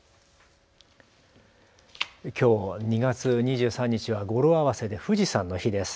きょう２月２３日は語呂合わせで富士山の日です。